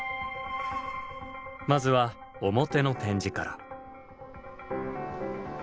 まずは表の展示から。